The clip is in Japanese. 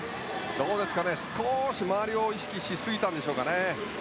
少し周りを意識しすぎたんでしょうか。